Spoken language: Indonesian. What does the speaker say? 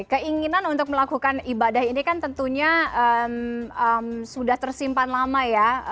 keinginan untuk melakukan ibadah ini kan tentunya sudah tersimpan lama ya